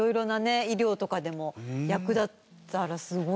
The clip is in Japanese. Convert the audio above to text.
医療とかでも役立ったらすごいな。